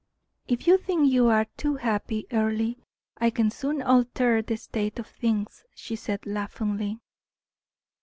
"If you think you are too happy, Earle, I can soon alter that state of things," she said, laughingly.